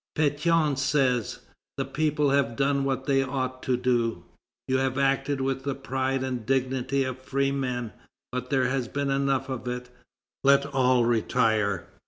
Pétion says: "The people have done what they ought to do. You have acted with the pride and dignity of freemen. But there has been enough of it; let all retire."